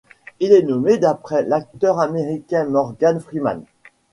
Il est nommé d'après l'acteur américain Morgan Freeman.